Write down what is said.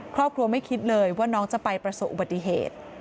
ครอบครัวไม่คิดเลยว่าน้องจะไปประสบอุบัติเหตุ